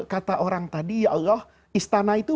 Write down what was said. kata orang tadi ya allah istana itu